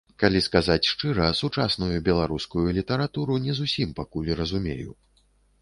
Калі сказаць шчыра, сучасную беларускую літаратуру не зусім пакуль разумею.